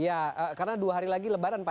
ya karena dua hari lagi lebaran pak